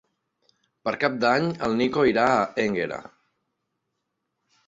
Per Cap d'Any en Nico irà a Énguera.